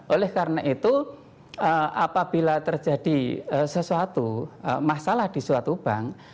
oleh karena itu apabila terjadi sesuatu masalah di suatu bank